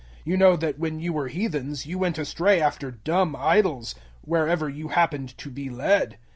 012:002 You know that when you were heathens you went astray after dumb idols, wherever you happened to be led.